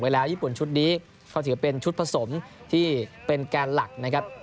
แล้วญี่ปุ่นชุดนี้ก็ถือเป็นชุดผสมที่เป็นแกนหลักนะครับ